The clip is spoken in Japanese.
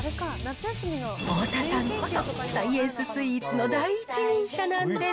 太田さんこそサイエンススイーツの第一人者なんです。